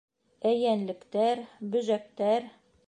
Ә йәнлектәр, бөжәктәр...